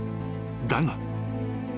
［だが］